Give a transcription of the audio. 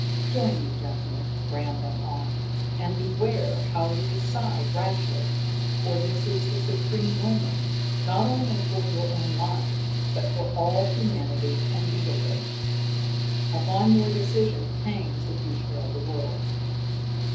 "Join me, gentlemen," Bram went on. "And beware how you decide rashly. For this is the supreme moment, not only of your own lives, but for all humanity and beetledom. Upon your decision hangs the future of the world.